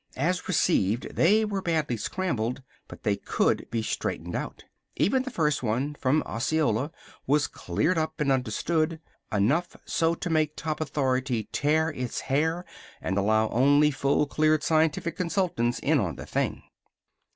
As received, they were badly scrambled, but they could be straightened out. Even the first one, from Osceola, was cleaned up and understood. Enough so to make top authority tear its hair and allow only fully cleared scientific consultants in on the thing.